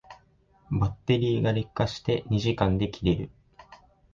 バッテリーが劣化して二時間で切れる